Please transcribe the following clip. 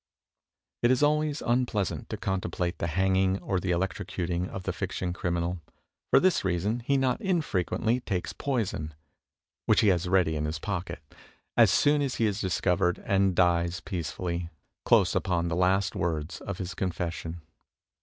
It is always unpleasant to contemplate the hanging or the electrocuting of the fiction criminal. For this reason he not infrequently takes poison (which he has ready in his pocket), as soon as he is discovered, and dies peacefully, close upon the last words of his confession.